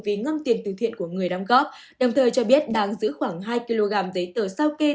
vì ngân tiền từ thiện của người đóng góp đồng thời cho biết đang giữ khoảng hai kg giấy tờ sao kê